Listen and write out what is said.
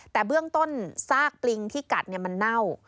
แต่เบื้องต้นซากปลิงที่กัดมันเน่า